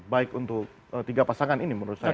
baik untuk tiga pasangan ini menurut saya